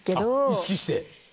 意識して。